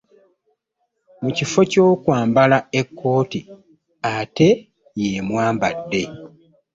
Mu kifo ky'okwambala ekkooti ate y'emwambadde.